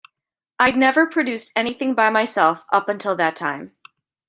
I'd never produced anything by myself up until that time.